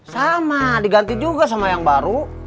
sama diganti juga sama yang baru